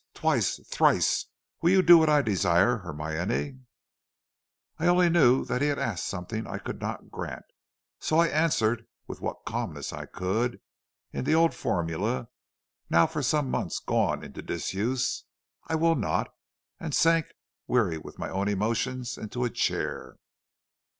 twice! thrice! Will you do what I desire, Hermione?' "I only knew he had asked something I could not grant, so I answered, with what calmness I could, in the old formula, now for some months gone into disuse, 'I will not,' and sank, weary with my own emotions, into a chair.